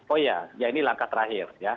oh iya ya ini langkah terakhir ya